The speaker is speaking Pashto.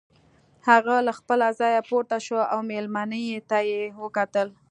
هغه له خپله ځايه پورته شو او مېلمنې ته يې وکتل.